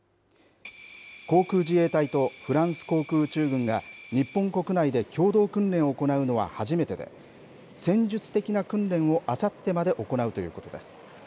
航空自衛隊とフランス航空宇宙軍が日本国内で共同訓練を行うのは初めてで戦術的な訓練をあさってまで行うということです。